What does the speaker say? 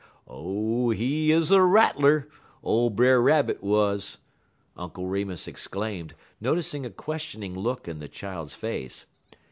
"Oh, he 'uz a rattler ole Brer Rabbit wuz," Uncle Remus exclaimed, noticing a questioning look in the child's face.